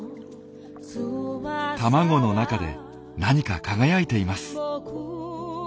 卵の中で何か輝いています。